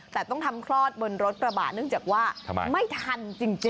แต่ต้องทำคลอดบนรถกระบะเนื่องจากว่าไม่ทันจริง